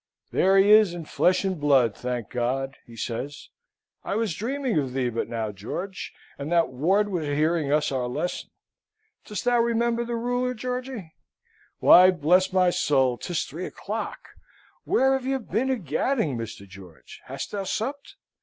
"There he is in flesh and blood, thank God!" he says; "I was dreaming of thee but now, George, and that Ward was hearing us our lesson! Dost thou remember the ruler, Georgy? Why, bless my soul, 'tis three o'clock! Where have you been a gadding, Mr. George? Hast thou supped?